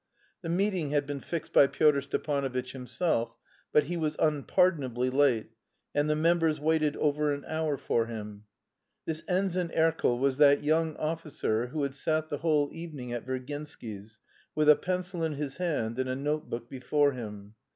The meeting had been fixed by Pyotr Stepanovitch himself, but he was unpardonably late, and the members waited over an hour for him. This Ensign Erkel was that young officer who had sat the whole evening at Virginsky's with a pencil in his hand and a notebook before him.